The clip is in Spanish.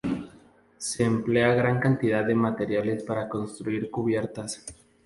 Se emplea gran cantidad de materiales para construir cubiertas.